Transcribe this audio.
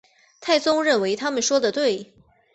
太宗认为他们说得对。